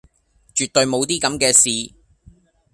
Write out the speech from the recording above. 絕對無啲咁既事